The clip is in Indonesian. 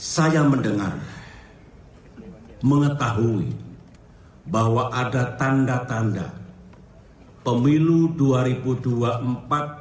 saya mendengar mengetahui bahwa ada tanda tanda pemilu dua ribu dua puluh empat bisa tidak jujur dan tidak adil